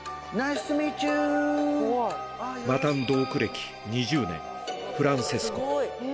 マタンドーク歴２０年、フランセスコ。